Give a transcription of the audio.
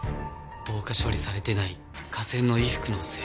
防火処理されてない化繊の衣服のせい。